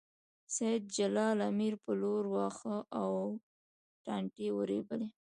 سېد جلال امیر په لور واښه او ټانټې ورېبلې